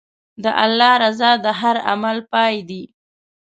د الله رضا د هر عمل پای دی.